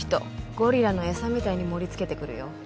ゴリラの餌みたいに盛りつけてくるよ